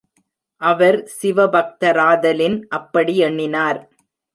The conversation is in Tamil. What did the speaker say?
அவர் சிவபக்தராதலின் அப்படி எண்ணினார்.